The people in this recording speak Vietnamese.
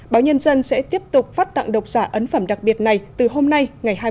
báo nhân dân sẽ tiếp tục phát tặng độc giả ấn phẩm đặc biệt này từ hôm nay ngày hai mươi